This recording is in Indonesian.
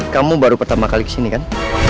kamu baru pertama kali kesini kan